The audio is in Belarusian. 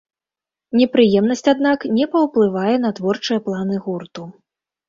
Непрыемнасць, аднак, не паўплывае на творчыя планы гурту.